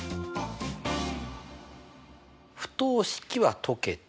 不等式は解けた。